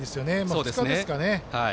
２日ですかね。